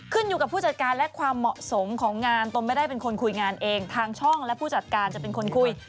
อยู่กับผู้จัดการและความเหมาะสมของงานตนไม่ได้เป็นคนคุยงานเองทางช่องและผู้จัดการจะเป็นคนคุย